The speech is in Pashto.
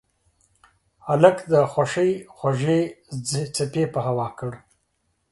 هلک د خوښۍ خوږې څپې په هوا کړ.